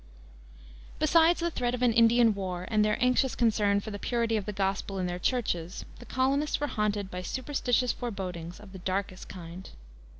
Besides the threat of an Indian war and their anxious concern for the purity of the Gospel in their Churches, the colonists were haunted by superstitious forebodings of the darkest kind.